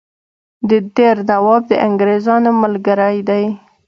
د دیر نواب د انګرېزانو ملګری دی.